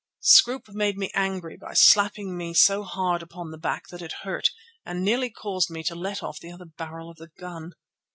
Scroope made me angry by slapping me so hard upon the back that it hurt, and nearly caused me to let off the other barrel of the gun.